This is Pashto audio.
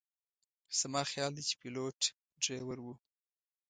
زما خیال دی چې پیلوټ ډریور و.